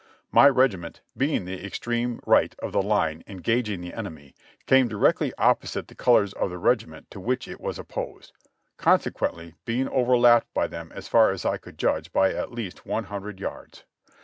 My regiment being the extreme right of the line en gaging the enemy, came directly opposite the colors of the regi ment to wdiich it was opposed, consequently being overlapped by them as far as I could judge by at least one hundred yards.